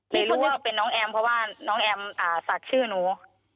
ไม่รู้ว่าเป็นน้องแอมเพราะว่าน้องแอมศักดิ์ชื่อหนู